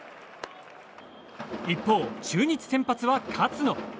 一方、中日先発は勝野。